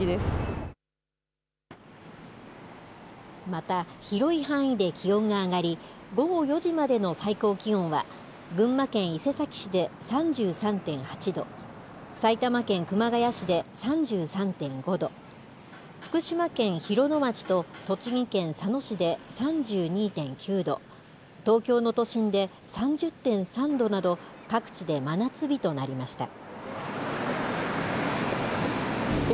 また、広い範囲で気温が上がり、午後４時までの最高気温は、群馬県伊勢崎市で３３．８度、埼玉県熊谷市で３３．５度、福島県広野町と栃木県佐野市で３２．９度、東京の都心で３０．３度など、各地で真夏日となりました。